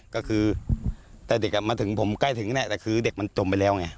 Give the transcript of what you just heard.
ก็คือแต่เด็กมาถึงผมใกล้ถึงแหละแต่คือเด็กมันจมไปแล้วไง